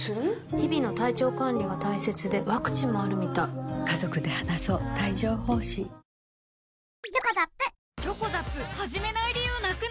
日々の体調管理が大切でワクチンもあるみたいすいません！